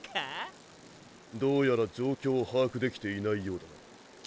どうやら状況を把握できていないようだな。